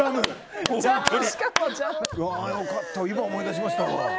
今、思い出しました。